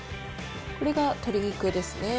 これが鶏肉ですね。